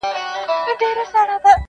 له آشنا لاري به ولي راستنېږم-